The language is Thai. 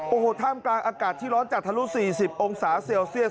โอ้โหท่ามกลางอากาศที่ร้อนจัดทะลุ๔๐องศาเซลเซียส